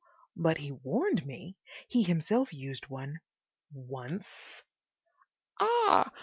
But he warned me. He himself used one—once." "Ah!...